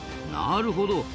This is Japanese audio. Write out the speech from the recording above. なるほど。